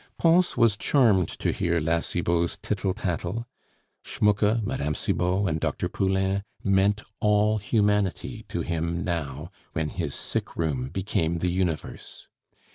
Pons was charmed to hear La Cibot's tittle tattle. Schmucke, Mme. Cibot, and Dr. Poulain meant all humanity to him now, when his sickroom became the universe.